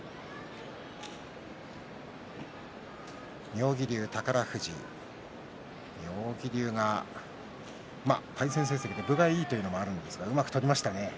妙義龍、宝富士妙義龍が対戦成績で分がいいというのもありますがうまく取りましたね。